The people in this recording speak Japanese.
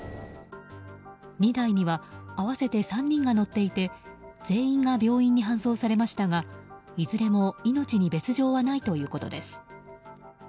２台には合わせて３人が乗っていて全員が病院に搬送されましたがいずれも命に別条はないということです。